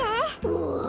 うわ！